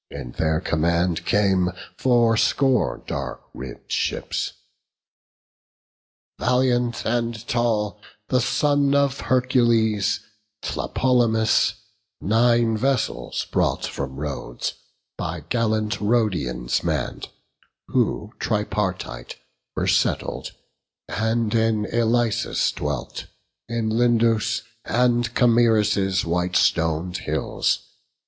In their command came fourscore dark ribb'd ships. Valiant and tall, the son of Hercules, Tlepolemus, nine vessels brought from Rhodes, By gallant Rhodians mann'd, who tripartite Were settled, and in Ialyssus dwelt, In Lindus, and Cameirus' white stone hills.